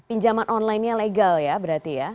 pinjaman online yang legal ya berarti ya